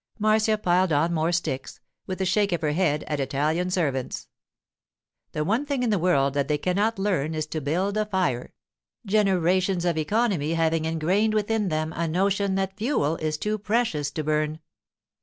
Marcia piled on more sticks, with a shake of her head at Italian servants. The one thing in the world that they cannot learn is to build a fire; generations of economy having ingrained within them a notion that fuel is too precious to burn.